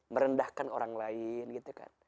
merendahkan orang lain gitu kan